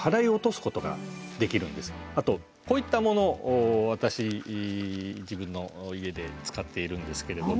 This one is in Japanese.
あとこういったものを私自分の家で使っているんですけれども。